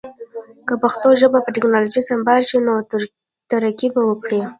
که پښتو ژبه په ټکنالوژی سمبال شی نو ترقی به وکړی